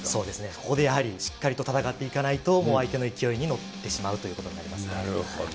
ここでやはりしっかりと戦っていかないともう相手の勢いに乗ってしまうというこなるほど。